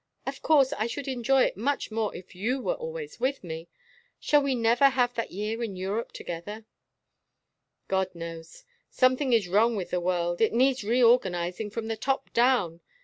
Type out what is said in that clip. Of course, I should enjoy it much more if you were always with me. Shall we never have that year in Europe together?" "God knows. Something is wrong with the world. It needs reorganizing from the top down.